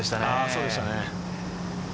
そうでしたね。